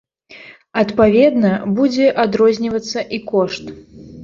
Адпаведна, будзе адрознівацца і кошт.